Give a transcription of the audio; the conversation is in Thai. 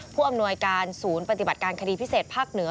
ผู้อำนวยการศูนย์ปฏิบัติการคดีพิเศษภาคเหนือ